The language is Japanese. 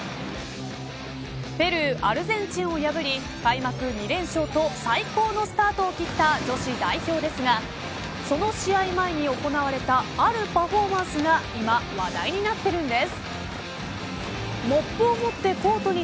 ペルー、アルゼンチンを破り開幕２連勝と最高のスタートを切った女子代表ですがその試合前に行われたあるパフォーマンスが今、話題になっているんです。